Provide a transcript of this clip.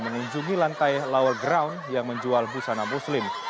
mengunjungi lantai lower ground yang menjual busana muslim